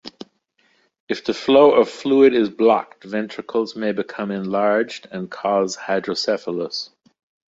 If the flow of fluid is blocked ventricles may become enlarged and cause hydrocephalus.